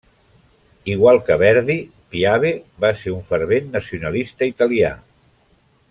Igual que Verdi, Piave va ser un fervent nacionalista italià.